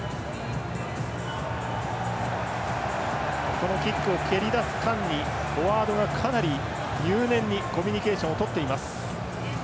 このキックを蹴りだす間にフォワードがかなり入念にコミュニケーションとっています。